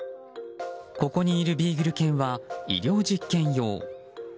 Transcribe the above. ここにいるビーグル犬は医療実験用。